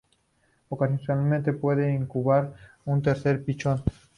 Ocasionalmente puede incubar un tercer pichón.